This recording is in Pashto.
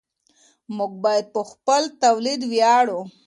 موږ باید په خپل تولید ویاړو.